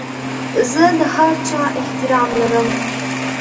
زه د هر چا احترام لرم.